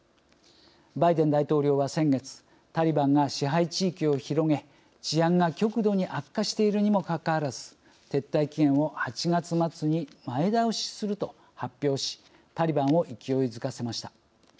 バイデン大統領は先月タリバンが支配地域を広げ治安が極度に悪化しているにもかかわらず撤退期限を８月末に前倒しすると発表しタリバンを勢いづかせました。